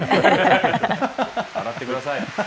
洗ってください。